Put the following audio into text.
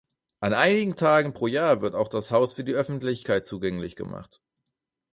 An einigen Tagen pro Jahr wird auch das Haus für die Öffentlichkeit zugänglich gemacht.